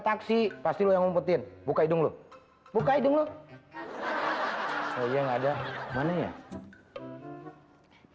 taksi pasti yang ngumpetin buka hidung lu buka hidung lu saya nggak ada mana ya hai